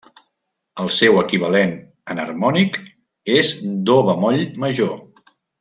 El seu equivalent enharmònic és do bemoll major.